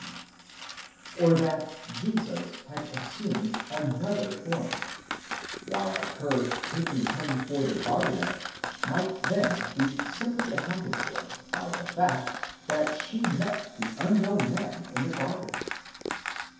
16), or that Jesus had assumed another form ; while her taking him for the gardener might then be simply accounted for by the fact that she met the unknown man in the garden.